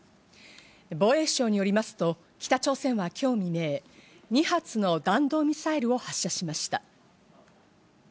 防衛省によりますと、北朝鮮は今日未明、２発の弾道ミサイルを発射しました。